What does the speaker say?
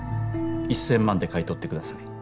１，０００万で買い取ってください。